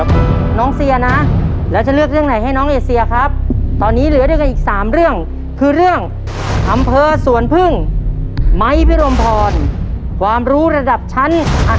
พ่อจะเลือกใครขึ้นมาก่อน